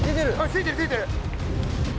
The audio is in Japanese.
ついてるついてる！